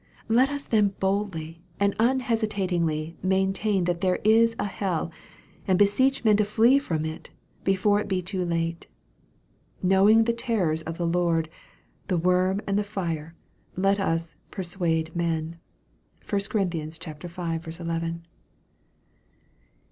Let us then boldly and unhesitatingly maintain that there is a hell, and beseech men to flee from it, before it be too late. "Knowing the terrors of the Lord," the worm, and the fire, let us " persuade men." (1 Cor. v. 11.) It is 194 EXFOSITOKY THOUGHTS.